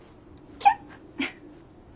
キャッ。